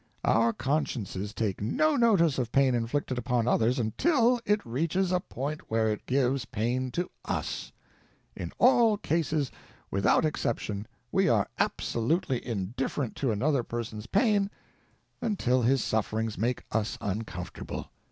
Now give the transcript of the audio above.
Our consciences take no notice of pain inflicted upon others until it reaches a point where it gives pain to us. In all cases without exception we are absolutely indifferent to another person's pain until his sufferings make us uncomfortable.